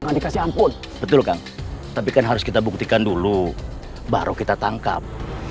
adik adik siampun betul kan tapi kan harus kita buktikan dulu baru kita tangkap